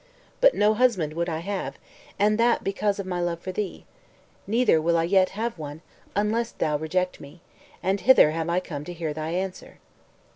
But no husband would I have, and that because of my love for thee; neither will I yet have one, unless thou reject me; and hither have I come to hear thy answer."